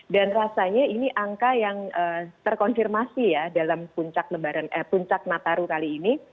rasanya ini angka yang terkonfirmasi ya dalam puncak nataru kali ini